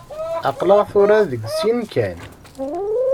Aql-aɣ tura deg sin kan.